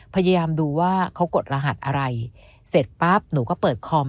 พยายามดูว่าเขากดรหัสอะไรเสร็จปั๊บหนูก็เปิดคอม